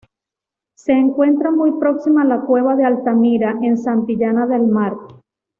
Se encuentra muy próxima a la cueva de Altamira en Santillana del Mar.